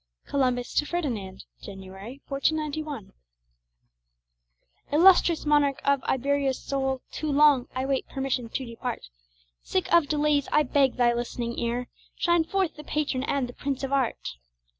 COLUMBUS TO FERDINAND [January, 1491] Illustrious monarch of Iberia's soil, Too long I wait permission to depart; Sick of delays, I beg thy list'ning ear Shine forth the patron and the prince of art.